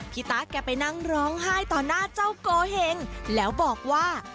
เมื่อพีตาเกลียวไปนั่งร้องไห้ต่อหน้าเจ้าโกเห็งและบอกว่า